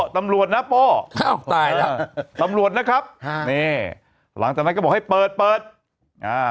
ตำรวจนะโป้อ้าวตายแล้วตำรวจนะครับฮะนี่หลังจากนั้นก็บอกให้เปิดเปิดอ่า